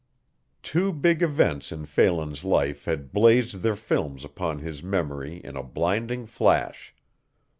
Two big events in Phelan's life had blazed their films upon his memory in a blinding flash.